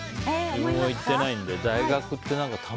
俺も行ってないので。